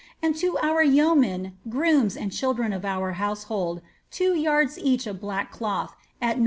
And to our yeomen, groomt, and children of our household, two yards each of black cloth, at 9s.